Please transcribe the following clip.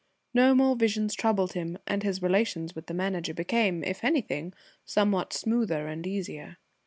No more visions troubled him, and his relations with the Manager became, if anything, somewhat smoother and easier.